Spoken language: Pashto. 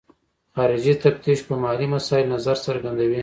خارجي تفتیش په مالي مسایلو نظر څرګندوي.